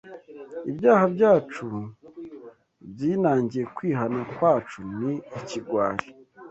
Ibyaha byacu byinangiye kwihana kwacu ni ikigwari